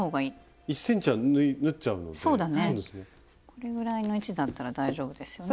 これぐらいの位置だったら大丈夫ですよね。